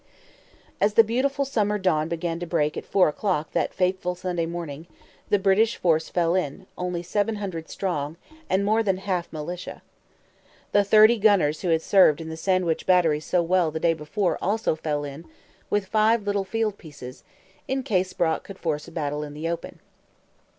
As the beautiful summer dawn began to break at four o'clock that fateful Sunday morning, the British force fell in, only seven hundred strong, and more than half militia. The thirty gunners who had served the Sandwich battery so well the day before also fell in, with five little field pieces, in case Brock could force a battle in the open.